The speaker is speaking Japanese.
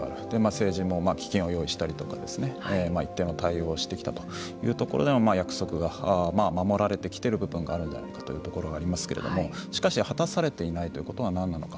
政治も用意したりとか一定の対応をしてきたというところでの約束が守られてきている部分があるんじゃないかというところがありますけれどもしかし果たされていないということは何なのか。